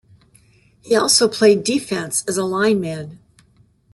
He also played defense as a lineman.